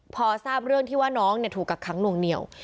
พอทราบเรื่องที่ว่าน้องถูกกักขังหน่วงเหนียว